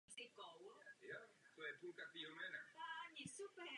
Podle Hérodota mělo podobné právo převládat mezi kmeny starověké Libye.